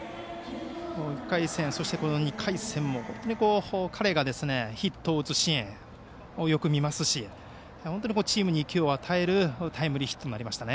１回戦、そしてこの２回戦も本当に彼がヒットを打つシーンをよく見ますしチームに勢いを与えるタイムリーヒットになりました。